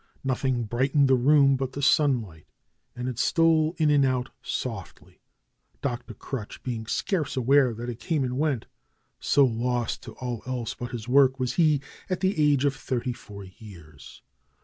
Nothing brightened the room but the sunlight, and it stole in and out softly, Dr. Crutch being scarce aware that it came and went, so lost to all else but his work was he, at the age of thirty four years.